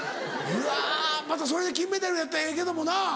うわまたそれで金メダルやったらええけどもな。